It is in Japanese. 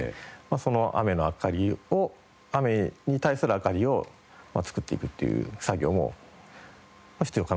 その雨の明かりを雨に対する明かりを作っていくっていう作業も必要かなと思いますので。